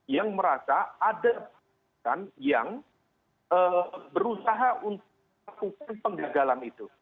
yang merasa ada yang berusaha untuk melakukan penggagalan itu